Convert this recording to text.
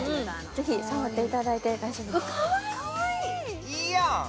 ぜひ触っていただいて大丈夫ですいいやん！